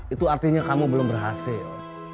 itu artinya kamu belum berhasil